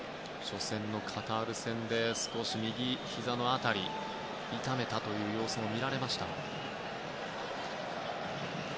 初戦のカタール戦で少し、右ひざの辺りを痛めたという様子が見られました。